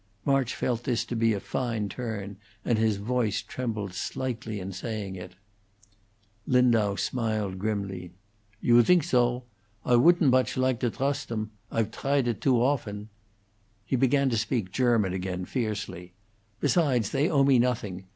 March felt this to be a fine turn, and his voice trembled slightly in saying it. Lindau smiled grimly. "You think zo? I wouldn't moch like to drost 'em. I've driedt idt too often." He began to speak German again fiercely: "Besides, they owe me nothing.